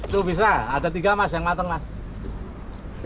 itu bisa ada tiga mas yang matang mas